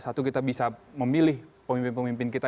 satu kita bisa memilih pemimpin pemimpin kita